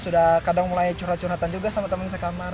sudah kadang mulai curhat curhatan juga sama teman sekamar